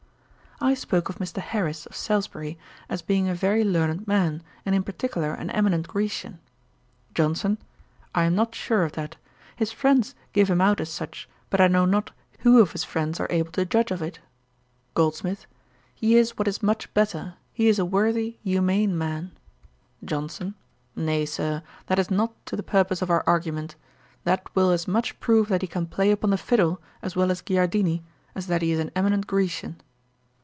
I spoke of Mr. Harris, of Salisbury, as being a very learned man, and in particular an eminent Grecian. JOHNSON. 'I am not sure of that. His friends give him out as such, but I know not who of his friends are able to judge of it.' GOLDSMITH. 'He is what is much better: he is a worthy humane man.' JOHNSON. 'Nay, Sir, that is not to the purpose of our argument: that will as much prove that he can play upon the fiddle as well as Giardini, as that he is an eminent Grecian.'